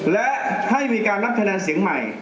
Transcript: และให้มีการนับคะแนนเสียงใหม่